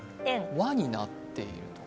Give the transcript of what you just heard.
輪になってるとか。